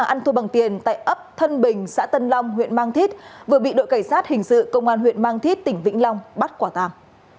ăn thua bằng tiền tại ấp thân bình xã tân long huyện mang thít vừa bị đội cảnh sát hình sự công an huyện mang thít tỉnh vĩnh long bắt quả tàng